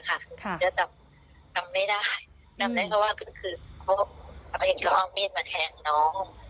เพราะฉะนั้นทำไม่ได้ทำได้ก็ว่าคือเพราะเป็นข้อมีดมาแทงน้อง